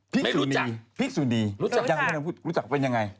ไม่รู้จักพี่สุนีรู้จักรู้จักเป็นยังไงพี่สุนี